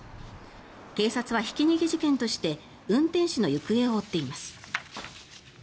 警察はひき逃げ事件として運転手の行方を追っています。